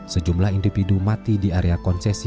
sejumlah individu mati di area konsesi